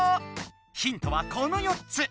ヒントはこの４つ。